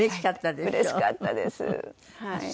うれしかったでしょ。